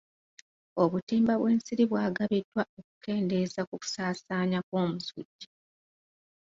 Obutimba bw'ensiri bwagabiddwa okukendeeza ku kusaasaanya kw'omusujja.